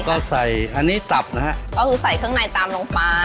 ก็ใส่อันนี้ตับนะฮะก็คือใส่เครื่องในตามลงไป